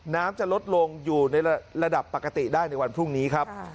น้ำจะลดลงอยู่ในระดับปกติได้ในวันพรุ่งนี้ครับ